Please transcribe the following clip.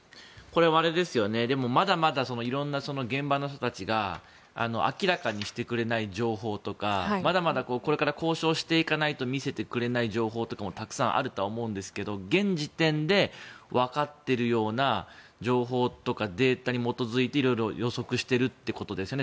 まだまだいろんな現場の人たちが明らかにしてくれない情報とかまだまだこれから交渉していかないと見せてくれない情報もたくさんあるとは思うんですが現時点で分かっているような情報とかデータに基づいて、いろいろ予測しているってことですよね。